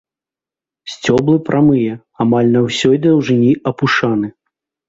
Сцёблы прамыя, амаль на ўсёй даўжыні апушаны.